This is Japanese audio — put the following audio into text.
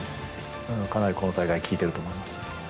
かなりこの大会効いていると思います。